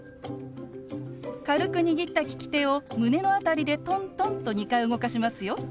軽く握った利き手を胸の辺りでトントンと２回動かしますよ。